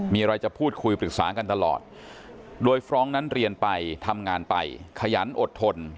มีอะไรจะพูดคุยปรึกษากันตลอดโดยฟรองก์นั้นเรียนไปทำงานไปขยันอดทน